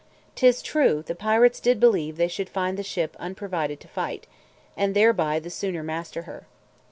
'Tis true, the pirates did believe they should find the ship unprovided to fight, and thereby the sooner master her.